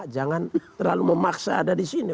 jangan terlalu memaksa ada disini